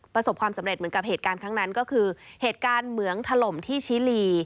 ประสบความสำเร็จเหมือนกับเหตุการณ์ครั้งนั้นก็คือเหตุการณ์เหมืองถล่มที่ชิลี